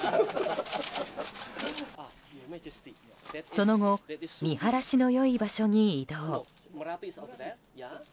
その後見晴らしの良い場所に移動。